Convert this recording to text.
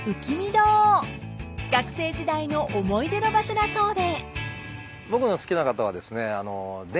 ［学生時代の思い出の場所だそうで］